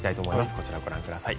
こちら、ご覧ください。